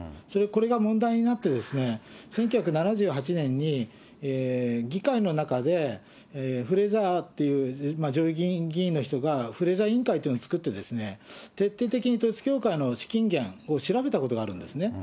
これが問題になって、１９７８年に議会の中で、フレザーっていう上院議員の人が、フレザー委員会というのを作って、徹底的に統一教会の資金源を調べたことがあるんですね。